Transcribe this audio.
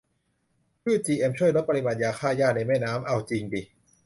พืชจีเอ็ม ช่วยลดปริมาณยาฆ่าหญ้าในแม่น้ำ ? - เอาจิงดิ